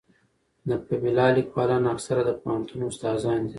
د پملا لیکوالان اکثره د پوهنتون استادان دي.